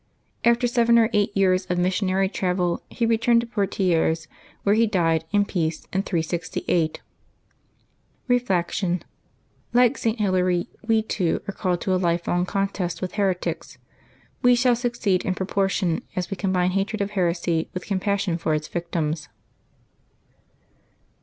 After seven or eight years of missionary travel he returned to Poitiers, where he died in peace in 368. Reflection. — Like St. Hilary, we, too, are called to a lifelong contest with heretics; we shall succeed in propor tion as we combine hatred of heresy with compassion for its victims.